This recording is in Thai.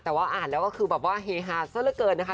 แต่ว่าอ่านแล้วก็คือแบบว่าเฮฮาซะละเกินนะคะ